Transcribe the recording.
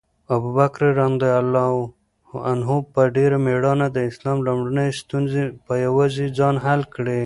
ابوبکر رض په ډېره مېړانه د اسلام لومړنۍ ستونزې په یوازې ځان حل کړې.